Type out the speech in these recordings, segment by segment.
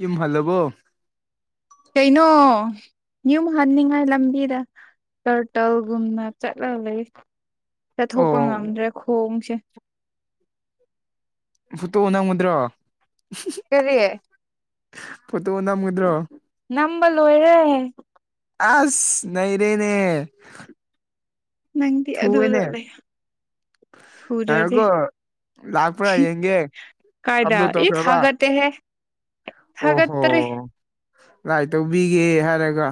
ꯌꯨꯝ ꯍꯜꯂꯕꯣ ꯀꯩꯅꯣ ꯌꯝ ꯍꯟꯅꯤꯡꯉꯥꯏ ꯂꯝꯕꯤꯗ ꯀꯔꯇꯜꯒꯨꯝꯅ ꯆꯠꯂꯒ ꯂꯩ ꯆꯠꯊꯣꯛꯄ ꯑꯣ ꯉꯝꯗ꯭ꯔꯦ ꯈꯣꯡꯁꯦ ꯐꯨꯠꯇꯣ ꯅꯝꯒꯗ꯭ꯔꯣ ꯀꯔꯤ ꯐꯣꯠꯇꯣ ꯅꯝꯒꯗ꯭ꯔꯣ ꯅꯝꯕ ꯂꯣꯏꯔꯦ ꯑꯁ ꯅꯩꯔꯦꯅꯦ ꯅꯪꯗꯤ ꯑꯗꯨꯗ ꯊꯨꯑꯦꯅꯦ ꯂꯩꯌꯣ ꯉꯥꯏꯈꯣꯒꯣ ꯂꯥꯛꯄ꯭ꯔꯥ ꯌꯦꯡꯒꯦ ꯀꯥꯏꯗ ꯑꯞꯂꯣꯠ ꯏ ꯇꯧꯈ꯭ꯔꯕ ꯊꯥꯒꯠꯇꯦꯍꯦ ꯑꯣꯍꯣ ꯊꯥꯒꯠꯇ꯭ꯔꯤ ꯂꯥꯏ ꯇꯧꯕꯤꯒꯦ ꯍꯥꯏꯔꯒ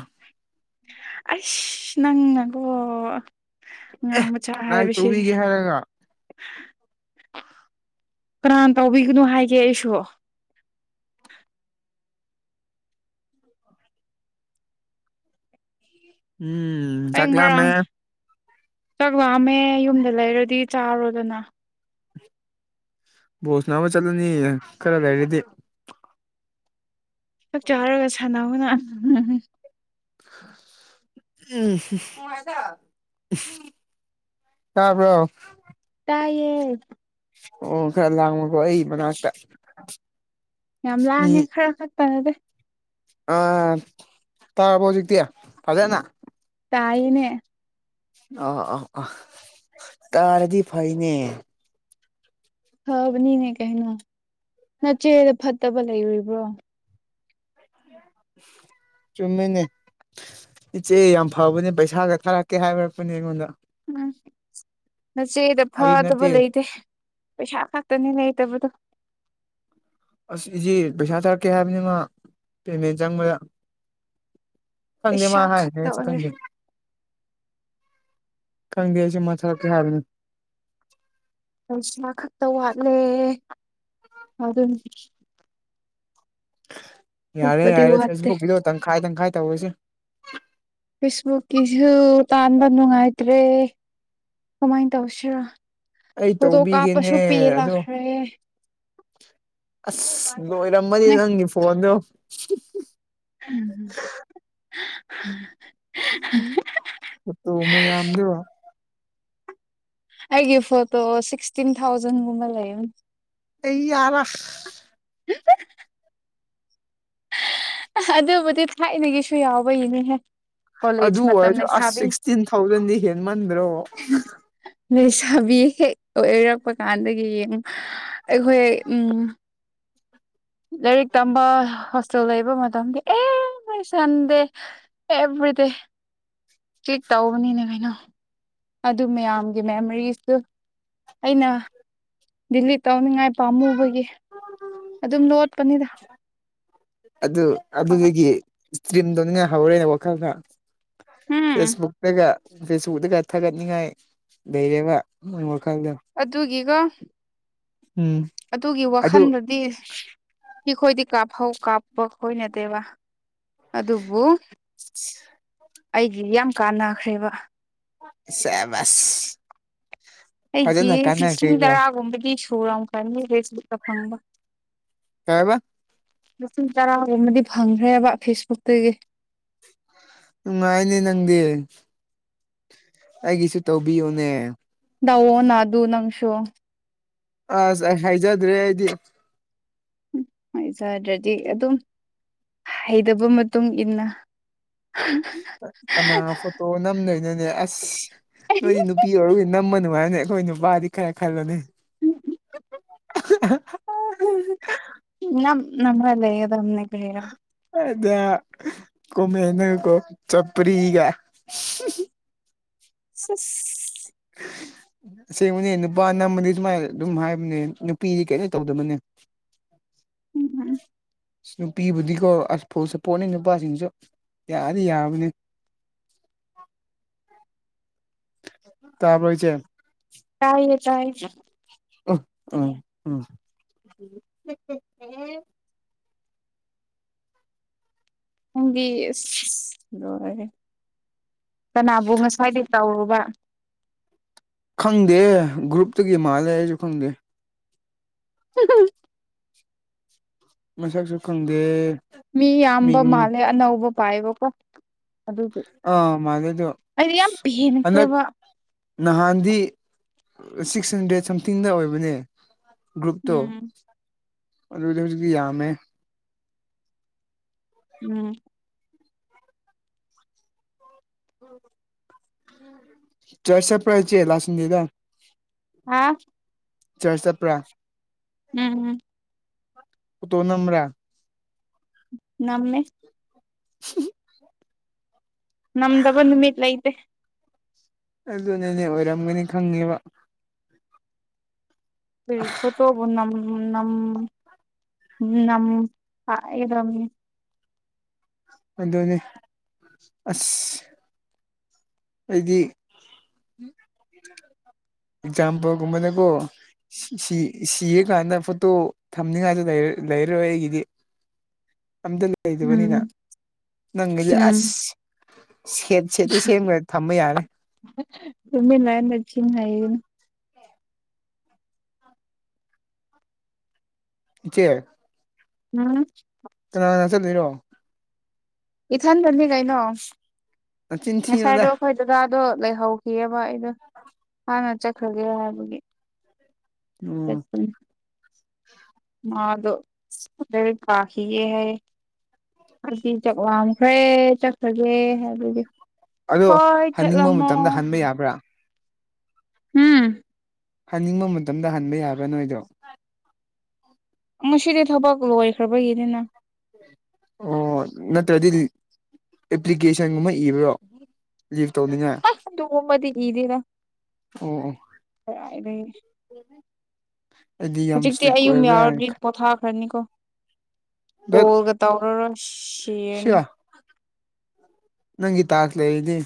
ꯑꯩꯁ ꯅꯪꯅꯀꯣ ꯑꯦ ꯑꯉꯥꯡ ꯃꯆꯥ ꯂꯥꯏ ꯍꯥꯏꯕꯁꯤ [unintelligible] ꯀꯅꯥ ꯇꯧꯕꯤꯒꯅꯣ ꯍꯥꯏꯒꯦ ꯑꯩꯁꯨ ꯎꯝ ꯑꯩ ꯆꯥꯛ ꯂꯥꯝꯃꯦ ꯉꯔꯥꯡ ꯆꯥꯛꯂꯛꯑꯝꯃꯦ ꯌꯨꯝꯗ ꯂꯩꯔꯗꯤ ꯆꯥꯔꯣꯗꯅ ꯕꯣꯁ ꯅꯥꯝꯃꯥ ꯆꯠꯂꯅꯤꯌꯦ ꯈꯔ ꯂꯩꯔꯗꯤ ꯆꯥꯛ ꯆꯥꯔꯒ ꯁꯥꯟꯅꯕ [unintelligible] [inaudible] ꯇꯥꯕ꯭ꯔꯣ ꯇꯥꯏꯌꯦ ꯑꯣ ꯈꯔ ꯂꯥꯡꯕꯀꯣ ꯑꯩ ꯃꯅꯥꯛꯇ ꯌꯥꯝ ꯃꯤ ꯂꯥꯡꯉꯦ ꯈꯔ ꯈꯛꯇꯅꯗꯤ ꯑꯥ ꯇꯥꯔꯕꯣ ꯍꯧꯖꯤꯛꯇꯤ ꯐꯖꯅ ꯇꯥꯏꯅꯦ ꯑꯥ ꯑꯥ ꯑꯥ ꯇꯥꯔꯗꯤ ꯐꯩꯅꯦ ꯐꯕꯅꯤꯅꯦ ꯀꯩꯅꯣ ꯅꯆꯦꯗ ꯐꯠꯇꯕ ꯂꯩꯔꯨꯔꯤꯕ꯭ꯔꯣ ꯆꯨꯝꯃꯤꯅꯤ ꯏꯆꯦ ꯌꯥꯝ ꯐꯕꯅꯦ ꯄꯩꯁꯥꯒ ꯊꯥꯔꯛꯀꯦ ꯍꯥꯏꯕꯔꯛꯄꯅꯦ ꯑꯩꯉꯣꯟꯗ ꯎꯝ ꯅꯆꯦꯗ ꯐꯥꯒꯤ ꯐꯥꯗꯕ ꯅꯠꯇꯦ ꯂꯩꯇꯦ ꯄꯩꯁꯥ ꯈꯛꯇꯅꯤ ꯂꯩꯇꯕꯗꯣ ꯑꯁ ꯏꯁꯤ ꯄꯩꯁꯥ ꯊꯥꯔꯛꯀꯦ ꯍꯥꯏꯕꯅꯤꯅ ꯄꯦꯃꯦꯟ ꯆꯪꯕꯗ ꯈꯪꯗꯦ ꯃꯥ ꯄꯩꯁꯥ ꯍꯥꯏ ꯈꯛꯇ ꯍꯥꯏꯁꯨ ꯑꯣꯏꯔꯦ ꯈꯪꯗ ꯈꯪꯗꯦ ꯃꯊꯔ ꯀ ꯍꯥꯔꯅ ꯄꯩꯁꯥ ꯈꯛꯇ ꯋꯥꯠꯂꯦ ꯑꯗꯨꯝ ꯌꯥꯔꯦ ꯑꯇꯣꯞꯄꯗꯤ ꯌꯥꯔꯦ ꯋꯥꯠꯇꯦ ꯐꯦꯁꯕꯨꯛꯀꯤꯗꯣ ꯇꯪꯈꯥꯏ ꯇꯪꯈꯥꯏ ꯇꯧꯔꯁꯤꯦ ꯐꯦꯁꯕꯨꯛꯀꯤꯁꯨ ꯇꯥꯟꯕ ꯅꯨꯡꯉꯥꯏꯇ꯭ꯔꯦ ꯀꯃꯥꯏꯅ ꯇꯧꯁꯤꯔ ꯑꯩ ꯍ ꯇ ꯀꯥ ꯇꯧꯕꯤꯒꯦꯅꯦ ꯄꯁꯨ ꯄꯤ ꯂꯥꯛ ꯑꯗꯣ ꯑꯁ ꯂꯣꯏꯔꯝꯃꯅꯤ ꯅꯦ ꯅꯪꯒꯤ ꯐꯣꯟꯗꯣ ꯎꯝ ꯐꯠꯇ ꯎ ꯃꯩꯑꯗ ꯋꯥ ꯑꯩꯒꯤ ꯐꯣꯇꯣ ꯁꯤꯛꯁꯇꯤꯟ ꯊꯥꯎꯖꯟꯒꯨꯝꯕ ꯂꯩ ꯑꯩꯌꯥꯔꯐ ꯑꯗꯨꯕꯨꯗꯤ ꯊꯥꯏꯅꯒꯤꯁꯨ ꯌꯥꯎꯕ ꯏꯅꯦꯍꯦ ꯑꯗꯨ ꯑꯣꯏꯔꯁꯨ ꯑꯁ ꯁꯤꯛꯁꯇꯤꯟ ꯊꯥꯎꯖꯟꯗꯤ ꯍꯦꯟꯃꯟꯗ꯭ꯔꯣ ꯂꯩꯁꯥꯕꯤ ꯍꯦꯛ ꯑꯣꯏꯔꯛꯄ ꯀꯥꯟꯗꯒꯤ ꯌꯦꯡꯉ ꯑꯩꯈꯣꯏ ꯎꯝ ꯂꯥꯏꯔꯤꯛ ꯇꯝꯕ ꯍꯣꯁꯇꯦꯜ ꯂꯩꯕ ꯃꯇꯝꯗ ꯑꯦ ꯑꯩ ꯆꯟꯗꯦ ꯑꯦꯚ꯭ꯔꯤꯗꯦ ꯆꯤꯛ ꯇꯧꯕꯅꯤꯅꯦ ꯀꯩꯅꯣ ꯑꯗꯨ ꯃꯌꯥꯝꯒꯤ ꯃꯦꯃꯣꯔꯤꯁꯇꯨ ꯑꯩꯅ ꯗꯤꯂꯤꯠ ꯇꯧꯅꯤꯡꯉꯥꯏ ꯄꯥꯝꯃꯨꯕꯒꯤ ꯑꯗꯨꯝ [unintelligible] ꯂꯣꯠꯄꯅꯤꯗ ꯑꯗꯨ ꯑꯗꯨꯗꯒꯤ ꯏꯁꯇ꯭ꯔꯤꯝ ꯇꯧꯅꯤꯉꯥꯏ ꯍꯧꯔꯦꯅꯦ ꯋꯥꯈꯜꯗꯥ ꯎꯝ ꯐꯦꯁꯕꯨꯛꯇꯒ ꯐꯦꯁꯕꯨꯛꯇꯥꯒ ꯊꯥꯒꯠꯅꯤꯉꯥꯏ ꯂꯩꯌꯦꯕ ꯃꯣꯏ ꯋꯥꯈꯜꯗꯣ ꯑꯗꯨꯒꯤꯒꯣ ꯎꯝ ꯑꯗꯨꯒꯤ ꯑꯗꯨ ꯋꯥꯈꯟꯗꯨꯗꯤ ꯏꯈꯣꯏꯗꯤ ꯀꯥꯞꯐꯧ ꯀꯥꯞꯄ ꯈꯣꯏ ꯅꯠꯇꯦꯕ ꯑꯗꯨꯕꯨ [unintelligible] ꯑꯩꯒꯤꯗꯤ ꯌꯥꯝ ꯀꯥꯟꯅꯈ꯭ꯔꯦꯕ ꯁꯦꯕꯁ ꯑꯩꯒꯤ ꯐꯖꯅ ꯂꯤꯁꯤꯡ ꯀꯥꯟꯅꯈ꯭ꯔꯦꯀꯣ ꯇꯔꯥ ꯒꯨꯝꯕꯗꯤ ꯁꯨꯔꯝꯈ꯭ꯔꯅꯤ ꯐꯦꯛꯁꯕꯨꯛꯇ ꯐꯪꯕ ꯀꯥꯏꯌꯦꯕꯥ ꯂꯤꯁꯤꯡ ꯇꯔꯥꯒꯨꯝꯕꯗꯤ ꯐꯪꯈ꯭ꯔꯦꯕ ꯐꯦꯁꯕꯨꯛꯇꯒꯤ ꯅꯨꯡꯉꯥꯏꯅꯦ ꯅꯪꯗꯤ ꯑꯩꯒꯤꯁꯨ ꯇꯧꯕꯤꯌꯣꯅꯦ ꯗꯧꯑꯣꯅꯥ ꯑꯗꯨ ꯅꯪꯁꯨ ꯑꯁ ꯑꯥꯏ ꯍꯩꯖꯗ꯭ꯔꯦ ꯑꯩꯗꯤ ꯍꯥꯏꯖꯥꯗ꯭ꯔꯗꯤ ꯑꯗꯨꯝ ꯍꯩꯇꯕ ꯃꯇꯨꯡ ꯏꯟꯅ [unintelligible] ꯀꯠ ꯀꯅꯥ ꯐꯣꯇꯣ ꯅꯝꯗꯣꯏꯅꯣꯅꯦ ꯑꯁ ꯅꯣꯏꯗꯤ ꯅꯨꯄꯤ ꯑꯣꯏꯔꯒꯤ ꯅꯝꯕꯥ ꯅꯨꯉꯥꯏꯅꯦ ꯑꯩꯈꯣꯏꯅꯨꯞ ꯕꯥꯗꯤ ꯈꯔ ꯈꯥꯟꯂꯣꯅꯦ ꯑꯍꯥ ꯍꯥ ꯍꯥ [unintelligible] ꯅꯝ ꯅꯝꯔꯥ ꯂꯩꯒꯗꯝꯅꯦ ꯀꯔꯤꯔꯥ ꯑꯗ ꯀꯣꯃꯟꯗꯒꯀꯣ ꯆꯞꯄ꯭ꯔꯤꯒꯥꯏ [unintelligible] ꯁꯥꯁ [unintelligible] ꯑꯁꯦꯡꯕꯅꯦ ꯅꯨꯄꯥ ꯅꯝꯃꯥꯗꯤ ꯑꯗꯨꯃꯥꯏ ꯑꯗꯨꯝ ꯍꯥꯏꯕꯅꯦ ꯅꯨꯄꯤꯗꯤ ꯀꯦꯝꯇꯥ ꯇꯧꯗꯕꯅꯦ [unintelligible] ꯑꯁ ꯅꯨꯄꯤꯕꯨꯗꯤꯀꯣ ꯑꯁ ꯐꯨꯜ ꯁꯄꯣꯔꯠꯅꯤ ꯅꯨꯄꯥꯁꯤꯡꯁꯨ ꯌꯥꯗꯤ ꯌꯥꯕꯅꯦ ꯇꯥꯕ꯭ꯔꯣ ꯏꯆꯦ ꯇꯥꯏꯌꯦ ꯇꯥꯏ [unintelligible] ꯅꯪꯗꯤ ꯑꯁ ꯂꯣꯏꯔꯦ ꯀꯅꯥꯕꯨ ꯉꯁꯥꯏꯗꯤ ꯇꯧꯔꯨꯕ ꯈꯪꯗꯦ ꯒ꯭ꯔꯨꯞꯇꯒꯤ ꯃꯥꯜꯂꯦ ꯑꯩꯁꯨ ꯈꯪꯗꯦ [unintelligible] ꯃꯥꯁꯛꯁꯨ ꯈꯪꯗꯦ ꯃꯤ ꯌꯥꯝꯕ ꯃꯤꯡ ꯃꯥꯜꯂꯦ ꯑꯅꯧꯕ ꯄꯥꯏꯕꯀꯣ ꯑꯗꯨꯒꯤ ꯑꯥ ꯃꯥꯜꯂꯦ ꯑꯗꯣ ꯑꯩꯗꯤ ꯌꯥꯝ ꯑꯁ ꯍꯟꯗꯛ ꯄꯦꯟꯈ꯭ꯔꯦꯕ ꯅꯍꯥꯟꯗꯤ ꯁꯤꯛꯁ ꯍꯟꯗ꯭ꯔꯦꯠ ꯁꯝꯊꯤꯡꯗ ꯑꯣꯏꯕꯅꯦ ꯒ꯭ꯔꯨꯨꯞꯇꯣ ꯎꯝ ꯑꯗꯨꯗꯥ ꯍꯧꯖꯤꯡꯇꯤ ꯌꯥꯝꯃꯦ ꯎꯝ [unintelligible] [unintelligible] ꯆꯔ꯭ꯆ ꯆꯠꯄ꯭ꯔꯥ ꯏꯆꯦ ꯂꯥꯁ ꯁꯟꯗꯦꯗꯥ ꯍꯥꯥ ꯆꯔ꯭ꯆ ꯆꯠꯄ꯭ꯔꯥ ꯎꯝ ꯐꯣꯇꯣ ꯅꯝꯕ꯭ꯔꯥ ꯅꯝꯃꯦ [unintelligible] ꯅꯝꯗꯥꯕ ꯅꯨꯃꯤꯠ ꯂꯩꯇꯦ ꯑꯗꯨꯅꯦꯅꯦ ꯑꯣꯏꯔꯝꯒꯅꯤ ꯈꯪꯉꯦꯕ ꯀꯊꯣꯕꯨ ꯅ ꯅꯝ ꯅ꯭ꯔ ꯑꯗꯨꯅꯦ ꯑꯁ ꯑꯩꯗꯤ ꯑꯦꯛꯖꯥꯝꯄꯜꯒꯨꯝꯕꯅꯦꯀꯣ ꯁꯤ ꯁꯤꯌꯦ ꯀꯥꯟꯗ ꯐꯣꯇꯣ ꯊꯝꯅꯤꯉꯥꯏꯁꯨ ꯂꯩꯔꯔꯣꯏ ꯑꯩꯒꯤꯗꯤ ꯑꯝꯇ ꯎꯝ ꯂꯩꯗꯕꯅꯤꯅ ꯅꯪꯒꯤꯗꯤ ꯎꯝ ꯑꯁ ꯁꯦꯠ ꯁꯦꯠꯇ ꯁꯦꯝꯈ꯭ꯔꯦ ꯊꯝꯕ ꯌꯥꯔꯦ ꯇꯃꯤ ꯂꯅꯁꯤ ꯍꯥꯏꯅ ꯏꯆꯦ ꯎꯝ ꯀꯅꯥꯅꯥ ꯆꯠꯂꯤꯔꯣ ꯏꯊꯟꯗꯅꯤ ꯀꯩꯅꯣ ꯅꯆꯤꯟ ꯊꯤꯅꯨꯗ ꯉꯁꯥꯏꯗꯣ ꯑꯩꯈꯣꯏ ꯗꯥꯗꯣ ꯂꯩꯍꯧꯈꯤꯑꯕ ꯑꯩꯗꯣ ꯍꯥꯟꯅ ꯆꯠꯈ꯭ꯔꯒꯦ ꯍꯥꯏꯕꯒꯤ ꯎꯝ ꯆꯠꯄ ꯃꯥꯗꯣ ꯀꯥꯈꯤꯌꯦ ꯍꯥꯏ ꯑꯗꯨꯗꯤ ꯆꯥꯛ ꯋꯥꯝꯈ꯭ꯔꯦ ꯆꯠꯈ꯭ꯔꯒꯦ ꯑꯗꯨꯗꯤ ꯑꯗꯣ ꯍꯣꯏ ꯆꯠ ꯍꯟꯅꯤꯡꯕ ꯂꯝꯣ ꯃꯇꯝꯗ ꯍꯟꯕ ꯌꯥꯕ꯭ꯔꯥ ꯎꯝ ꯍꯟꯅꯤꯡꯕ ꯃꯇꯝꯗ ꯍꯟꯕ ꯌꯥꯒ ꯅꯣꯏꯗꯣ ꯉꯁꯤꯗꯤ ꯊꯕꯛ ꯂꯣꯏꯈ꯭ꯔꯕꯒꯤꯅꯤꯅ ꯑꯣ ꯅꯠꯇ꯭ꯔꯗꯤ ꯑꯦꯄ꯭ꯂꯤꯀꯦꯁꯟꯒꯨꯝꯕ ꯏꯕ꯭ꯔꯣ ꯂꯤ ꯂꯤꯐ ꯇꯧꯅ ꯑ ꯑꯗꯨꯒꯨꯝꯕꯗꯤ ꯏꯗꯦꯗ ꯑꯣ ꯀꯗꯥꯏꯗꯒꯤ ꯑꯩꯗꯤ ꯌꯥꯝ ꯍꯧꯖꯤꯛꯇꯤ ꯏꯁꯇ꯭ꯔꯤꯛ ꯑꯩ ꯌꯨꯝ ꯑꯣꯏꯕ꯭ꯔꯥꯅ ꯌꯥꯎꯔꯗꯤ ꯄꯣꯊꯥꯈ꯭ꯔꯅꯤꯀꯣ ꯗꯠ ꯀꯣꯜꯒ ꯇꯧꯔꯔꯣꯏ ꯁꯤꯔꯅꯤ ꯅꯪ ꯏ ꯇ ꯍꯥꯥꯛꯂ ꯏꯗꯤ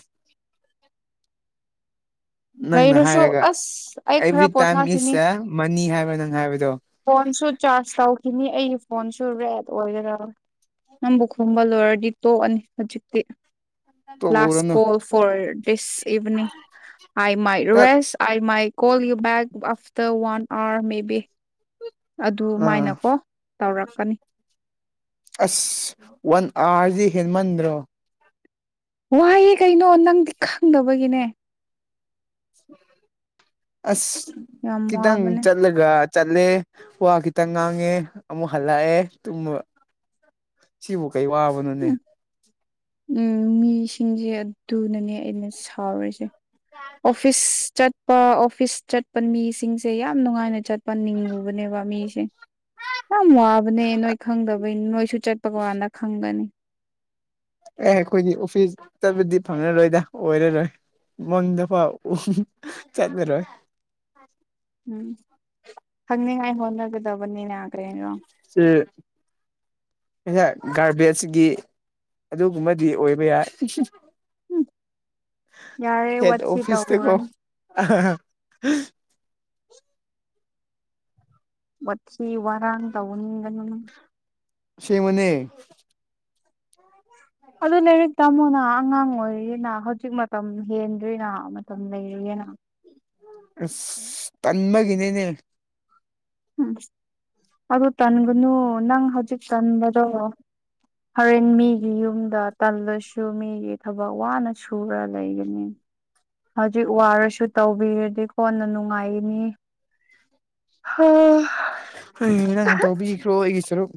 ꯅꯪꯅ ꯂꯩꯔꯁꯨ ꯍꯥꯏꯔꯒ ꯑꯁ ꯑꯩ ꯈꯔ ꯑꯦꯚ꯭ꯔꯤ ꯇꯥꯏꯝ ꯄꯣꯊꯥꯈꯤꯅꯤ ꯏꯁ ꯑꯦ ꯃꯅꯤ ꯍꯥꯏꯕ ꯅꯪ ꯍꯥꯏꯕꯗꯣ ꯐꯣꯟꯁꯨ ꯆꯥꯔꯖ ꯇꯧꯈꯤꯅꯤ ꯑꯩꯒꯤ ꯐꯣꯟꯁꯨ ꯔꯦꯠ ꯑꯣꯏꯒꯦꯔꯥ ꯅꯪꯕꯨ ꯈꯣꯕ ꯂꯣꯏꯔꯗꯤ ꯇꯣꯛꯑꯅꯤ ꯍꯧꯖꯤꯛꯇꯤ ꯂꯥꯁ ꯇꯣꯛꯍꯧꯔꯅꯨ call for this evening I ꯃꯥꯏ ꯇꯠ race I my call you back after one hour May B ꯑꯥ ꯑꯗꯨꯃꯥꯏꯅꯀꯣ ꯇꯧꯔꯛꯀꯅꯤ ꯑꯁ ꯋꯥꯟ ꯑꯥꯋꯥꯔꯗꯤ ꯍꯦꯟꯃꯟꯗ꯭ꯔꯣ ꯋꯥꯍꯩꯌꯦ ꯀꯩꯅꯣ ꯅꯪꯗꯤ ꯈꯪꯅꯕꯒꯤꯅꯦ ꯑꯁ ꯌꯥꯝ ꯈꯤꯇꯪ ꯋꯥꯕꯅꯦ ꯆꯠꯂꯒ ꯆꯠꯂꯦ ꯋꯥ ꯈꯤꯇꯪ ꯉꯥꯡꯉꯦ ꯑꯃꯨꯛ ꯍꯜꯂꯛꯑꯦꯨꯝ ꯁꯤꯕꯨ ꯀꯩ ꯋꯥꯕꯅꯣꯅꯦ ꯎꯝ ꯎꯝ ꯃꯤꯁꯤꯡꯁꯦ ꯑꯗꯨꯅꯅꯦ ꯑꯩꯅ ꯁꯥꯎꯔꯤꯁꯦ ꯑꯣꯐꯤꯁ ꯆꯠꯄ ꯑꯣꯐꯤꯁ ꯆꯠꯄ ꯃꯤꯁꯤꯡꯁꯦ ꯌꯥꯝ ꯅꯨꯡꯉꯥꯏꯅ ꯆꯠꯄ ꯅꯤꯡꯉꯨꯕꯅꯦꯕ ꯃꯤꯁꯦ ꯌꯥꯝ ꯋꯥꯕꯅꯦ ꯅꯣꯏ ꯈꯪꯗꯕꯩ ꯅꯣꯏꯁꯨ ꯆꯠꯄ ꯀꯀꯥꯟꯗ ꯈꯪꯒꯅꯤ ꯑꯦ ꯑꯩꯈꯣꯏꯒꯤ ꯑꯣꯐꯤꯁꯇꯕꯨꯗꯤ ꯐꯪꯂꯉꯔꯣꯏꯗ ꯑꯣꯏꯔꯔꯣꯏ ꯃꯪꯗ ꯐ ꯎ ꯆꯠꯅꯔꯣꯏ ꯎꯝ ꯈꯪꯅꯤꯡꯉꯥꯏ ꯍꯣꯠꯅꯒꯗꯕꯅꯤ ꯌꯥꯅꯥꯈ꯭ꯔꯦꯔꯣ ꯁꯤ ꯑꯩꯍꯥꯛ ꯒꯥꯔꯕꯦꯖꯀꯤ ꯑꯗꯨꯒꯨꯝꯕꯗꯤ ꯑꯣꯏꯕ ꯌꯥꯏ ꯎꯝ ꯌꯥꯔꯦ ꯍꯦꯗ ꯋꯥꯊꯤ ꯑꯣꯐꯤꯁ ꯊꯀꯣ ꯇꯧꯔꯅꯨ ꯋꯥꯠꯁꯤꯤ ꯋꯥꯔꯥꯡ ꯇꯧꯕꯅꯤꯡꯒ ꯁꯤꯃꯅꯦ [unintelligible] ꯑꯗꯨ ꯂꯥꯏꯔꯤꯛ ꯇꯥꯃꯣꯅ ꯑꯉꯥꯡ ꯑꯣꯏꯔꯤꯅ ꯍꯧꯖꯤꯛ ꯃꯇꯝ ꯍꯦꯟꯗ꯭ꯔꯤꯅ ꯇꯗ ꯏꯒꯦꯅ ꯑ ꯇꯟꯃꯒꯤꯅꯦꯅꯦ ꯎꯝ ꯑꯗꯨꯣ ꯇꯟꯒꯅ ꯅꯪ ꯍꯧꯖꯤꯛ ꯇꯟꯔꯣ ꯍꯣꯔꯦꯟ ꯃꯤꯒꯤ ꯌꯨꯝꯗ ꯇꯜꯂꯁꯨ ꯃꯤꯒꯤ ꯊꯕꯛ ꯋꯥꯅ ꯁꯨꯔ ꯂꯩꯒꯅꯤ ꯍꯧꯖꯤꯛ ꯋꯥꯔꯁꯨ ꯇꯧꯕꯤꯔꯗꯤ ꯀꯣꯟꯅ ꯅꯨꯡꯉꯥꯏꯅꯤ ꯍꯝ ꯍ ꯅꯪ ꯇꯧꯕꯤꯈ꯭ꯔꯣ ꯑꯩꯒꯤ ꯁꯔꯨꯛ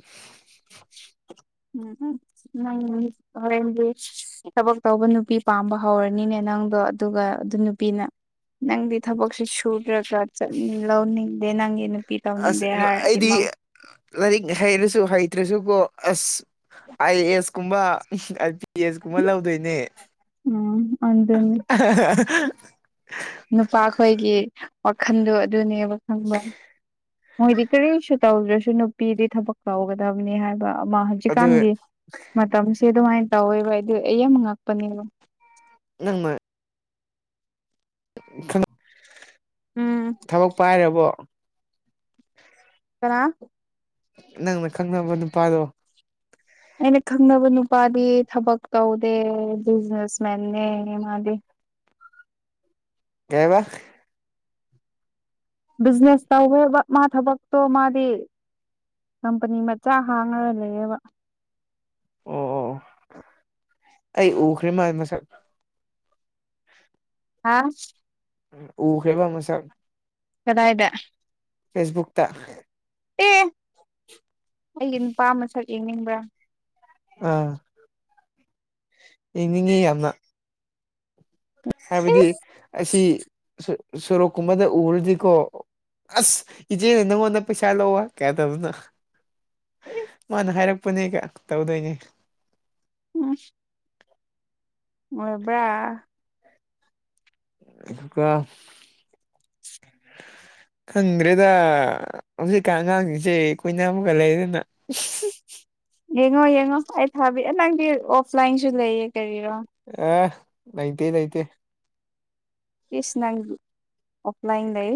[inaudible] ꯎꯝ ꯎꯪ ꯍꯔꯦꯟꯗꯤ ꯊꯕꯛ ꯇꯧꯕ ꯅꯨꯄꯤ ꯄꯥꯝꯕ ꯍꯧꯔꯅꯤꯅꯦ ꯅꯪꯗꯣ ꯑꯗꯨꯒ ꯑꯗꯨ ꯅꯨꯄꯤꯅ ꯅꯪꯗꯤ ꯊꯕꯛꯁꯤ ꯁꯨꯨꯔ꯭ꯔꯒ ꯆ ꯂꯧꯅꯤꯗꯦ ꯅꯪꯦꯅ ꯑꯁ ꯑꯩꯗꯤ ꯂꯥꯏꯔꯤꯛ ꯍꯩꯔꯁꯨ ꯍꯩꯇ꯭ꯔꯁꯨꯀꯣ ꯑꯁ ꯑꯥꯏ ꯑꯦ ꯑꯦꯁ ꯀꯨꯝꯕ ꯑꯜ ꯄꯤ ꯑꯦꯁ ꯀꯨꯝꯕ ꯂꯧꯗꯣꯏꯅꯦ ꯎꯝ ꯑꯗꯨꯅꯤ [unintelligible] ꯅꯨꯄꯥꯈꯣꯏꯒꯤ ꯋꯥꯈꯟꯗꯣ ꯑꯗꯨꯅꯦꯕ ꯈꯪꯕ꯭ꯔ ꯃꯣꯏꯗꯤ ꯀꯔꯤꯁꯨ ꯇꯧꯗ꯭ꯔꯁꯨ ꯅꯨꯄꯤꯗꯤ ꯊꯕꯛ ꯇꯧꯒꯗꯕꯅꯤ ꯍꯥꯏꯕ ꯑꯃ ꯑꯗꯨ ꯍꯧꯖꯤꯛꯀꯥꯟꯒꯤ ꯃꯇꯝꯁꯦ ꯑꯗꯨꯃꯥꯏꯅ ꯇꯧꯋꯦꯕ ꯑꯩꯗꯤ ꯑꯩ ꯑꯃ ꯉꯉꯛꯄꯅꯦꯅ ꯅꯪꯃ ꯎꯝ ꯣ ꯊꯕꯛ ꯄꯥꯏꯔꯕꯣ ꯀꯅꯥ ꯅꯪꯅ ꯈꯪꯅꯕ ꯅꯨꯄꯥꯗꯣ ꯑꯩꯅ ꯈꯪꯅꯕ ꯅꯨꯄꯥꯗꯤ ꯊꯕꯛ ꯇꯧꯗꯦ ꯕꯤꯖꯤꯅꯦꯁ ꯃꯦꯟꯅꯦ ꯃꯥꯗꯤ ꯀꯦꯕ ꯕꯤꯖꯅꯦꯁ ꯇꯧꯋꯦꯕ ꯃꯥ ꯊꯕꯛꯛꯇꯣ ꯃꯥꯗꯤ ꯀꯝꯄꯅꯤ ꯃꯆꯥ ꯍꯥꯡꯉꯒ ꯂꯩꯕ ꯑꯣ ꯑꯣ ꯑꯩ ꯎꯈ꯭ꯔꯦ ꯃꯥ ꯃꯁꯛ ꯍꯥꯥ ꯎ ꯍꯦꯕ ꯃꯁꯥ ꯀꯗꯥ ꯍꯥꯏꯗ ꯐꯦꯁꯕꯨꯛꯇ ꯑꯦ ꯑꯩꯒꯤ ꯅꯨꯄꯥ ꯑꯃꯁꯛ ꯌꯦꯡꯅꯤꯡꯕ꯭ꯔꯥ ꯎꯝ ꯌꯦꯡꯅꯤꯡꯉꯤ ꯌꯥꯝꯅ ꯍꯥꯏꯕꯗꯤ ꯏꯁ ꯑꯁꯤ ꯁꯣꯔꯣꯛ ꯀꯨꯝꯕꯗ ꯎꯔꯗꯤꯀꯣ ꯑꯁ ꯏꯆꯦꯅꯦ ꯅ ꯃꯣꯟꯟꯅ ꯄꯩꯁꯥ ꯂꯧꯑꯣ ꯀꯌꯥ ꯇꯕꯅ ꯃꯥꯅ ꯍꯥꯏꯔꯛꯄꯅꯦꯒ ꯇꯧꯗꯣꯏꯅꯦ ꯎꯝ ꯎꯕ꯭ꯔ ꯑꯗꯨꯒꯀ [unintelligible] ꯈꯪꯗ꯭ꯔꯦꯗ ꯍꯧꯖꯤꯛꯀ ꯑꯉꯥꯡꯁꯤꯡꯁꯦ ꯀꯨꯏꯅ ꯑꯃꯒ ꯂꯩꯗꯅ [unintelligible] ꯌꯦꯡꯉꯣ ꯌꯦꯡꯉꯣ ꯑꯩ ꯊꯥꯕꯤ ꯅꯪꯗꯤ ꯑꯣꯐꯂꯥꯏꯟꯁꯨ ꯂꯩꯌꯦ ꯀꯔꯤꯔꯣ ꯑ ꯂꯩꯇ ꯂꯩꯇꯦ ꯄꯁ ꯅꯪ ꯑꯣꯐꯂꯥꯏꯟ ꯂꯩ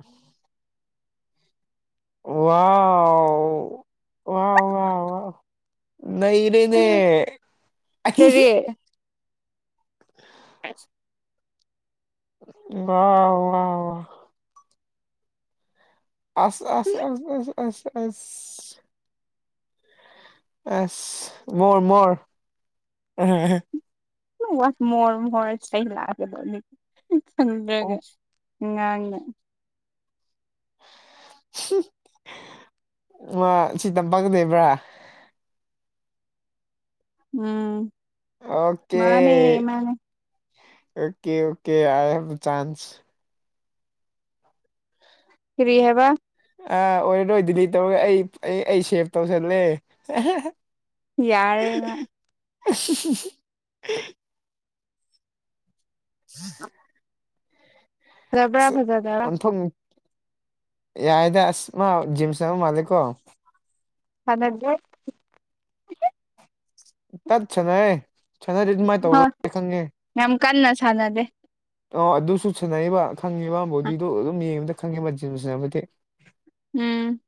ꯎꯝ ꯋꯥ ꯋꯥ ꯋꯥ ꯋꯥ ꯅ ꯀꯅꯦ ꯀꯔꯤ ꯑ ꯋꯥ ꯋꯥ ꯋꯥ ꯑꯁ ꯑꯁ ꯑ ꯑ ꯑꯁ ꯑꯁ ꯑꯁ ꯃꯣꯔ ꯃꯣꯔ ꯋꯥ ꯃꯣꯔ ꯃꯣꯔ ꯁ ꯂꯥꯛꯑꯒꯦꯗ ꯑꯣ ꯆꯪꯖꯒ ꯎ ꯃꯥ ꯁꯤ ꯇꯝꯄꯥꯛꯒꯗꯕ꯭ꯔꯥ ꯎꯝ ꯑꯣꯀꯦ ꯃꯥꯅꯦ ꯃꯥꯅꯦ ꯍ ꯆꯥꯟꯁ ꯐꯔꯤ ꯍꯥꯏꯕ ꯑ ꯑꯣꯏꯔꯔꯣꯏꯗꯤꯗꯤ ꯇꯧꯔꯒ ꯑꯩ ꯑꯩ ꯑꯩ ꯁꯦꯚ ꯇꯧꯁꯜꯂꯦ ꯌꯥꯔꯦꯅ ꯑ ꯁꯤ ꯁꯤꯁꯤ ꯍꯥ ꯐꯖꯕ꯭ꯔꯥ ꯑꯁ ꯐꯖꯗꯕ꯭ꯔꯥ ꯑꯣꯟꯊꯣꯛ ꯌꯥꯏꯗ ꯑꯁ ꯃꯥ ꯖꯤꯝꯁ ꯑꯃ ꯃꯥꯜꯂꯦꯀꯣ ꯍꯉꯗ꯭ꯔꯦ ꯇꯠ ꯁꯥꯟꯅꯔꯦ ꯁꯥꯟꯅꯗꯤ ꯑꯗꯨꯃꯥꯏꯅ ꯍꯣꯏ ꯇꯧꯔꯣꯏ ꯈꯪꯉꯦ ꯌꯥꯝ ꯀꯟꯅ ꯁꯥꯟꯅꯗꯦ ꯑꯣ ꯑꯗꯨꯁꯨ ꯁꯥꯟꯟꯅꯔꯤꯕ ꯈꯪꯉꯤꯕ ꯕꯣꯗꯤꯗꯨꯣ ꯑꯗꯨꯝ ꯌꯦꯡꯉꯕꯗ ꯈꯪꯉꯤꯕ ꯁꯕꯗꯤꯦ ꯎꯝ